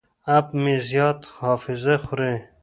اپ مې زیاته حافظه خوري.